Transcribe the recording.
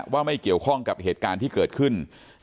ว่าไม่เกี่ยวข้องกับเหตุการณ์ที่เกิดขึ้น